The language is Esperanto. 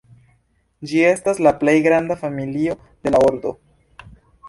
Ĝi estas la plej granda familio de la ordo.